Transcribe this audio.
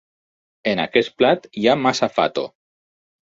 En aquest plat hi ha massa fato.